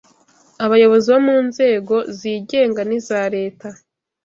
Abayobozi mu nzego zigenga n’iza Leta